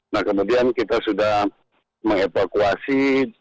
nah kemudian kita sudah mengevakuasi